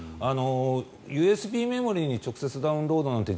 ＵＳＢメモリーに直接ダウンロードなんて